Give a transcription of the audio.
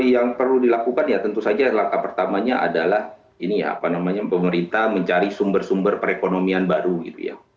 yang perlu dilakukan ya tentu saja langkah pertamanya adalah ini ya apa namanya pemerintah mencari sumber sumber perekonomian baru gitu ya